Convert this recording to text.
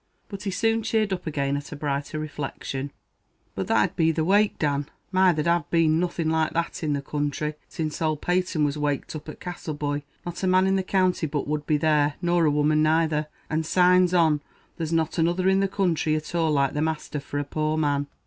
But he soon cheered up again at a brighter reflection. "But that'd be the wake, Dan! My; there'd have been nothing like that in the counthry, since old Peyton was waked up at Castleboy; not a man in the county but would be there, nor a woman neither; and signs on, there's not another in the counthry at all like the masther for a poor man."